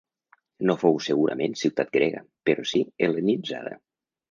No fou segurament ciutat grega però si hel·lenitzada.